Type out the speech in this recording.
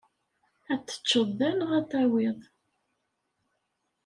Ad t-teččeḍ da neɣ ad t-tawiḍ?